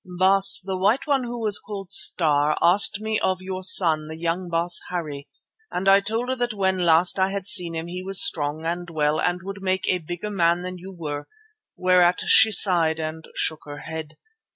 "Baas, the White One who was called Star, asked me of your son, the young Baas Harry, and I told her that when last I had seen him he was strong and well and would make a bigger man than you were, whereat she sighed and shook her head.